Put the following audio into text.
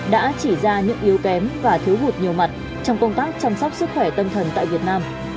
đã chỉ ra những yếu kém và thiếu hụt nhiều mặt trong công tác chăm sóc sức khỏe tâm thần tại việt nam